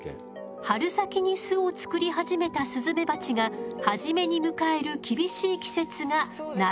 春先に巣を作り始めたスズメバチが初めに迎える厳しい季節が夏。